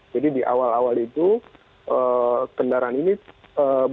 jadi di awal awal itu kendaraan ini berkeliling